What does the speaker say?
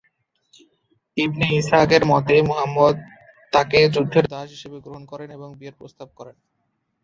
ইবনে ইসহাকের মতে, মুহাম্মদ তাকে যুদ্ধের দাস হিসেবে গ্রহণ করেন এবং বিয়ের প্রস্তাব করেন।